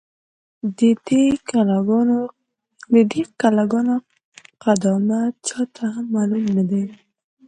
، د دې کلا گانو قدامت چا ته هم معلوم نه دی،